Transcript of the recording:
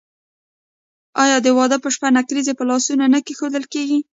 آیا د واده په شپه نکریزې په لاسونو نه کیښودل کیږي؟